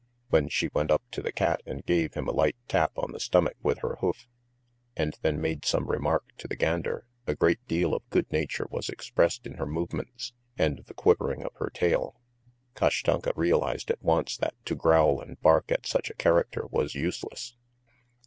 When she went up to the cat and gave him a light tap on the stomach with her hoof, and then made some remark to the gander, a great deal of good nature was expressed in her movements, and the quivering of her tail. Kashtanka realised at once that to growl and bark at such a character was useless.